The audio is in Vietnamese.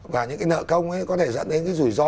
và những cái nợ công ấy có thể dẫn đến cái rủi ro